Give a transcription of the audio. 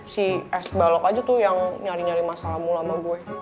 si es balok aja tuh yang nyari nyari masalah mula ama gue